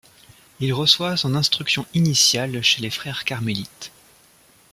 Il reçoit son instruction initiale chez les frères Carmélites.